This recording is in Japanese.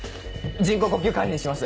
人工呼吸管理にします。